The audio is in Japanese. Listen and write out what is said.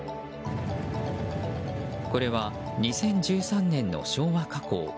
これは２０１３年の昭和火口。